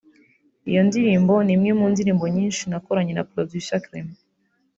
Iyo ndirimbo ni imwe mu ndirimbo nyinshi nakoranye na producer Clement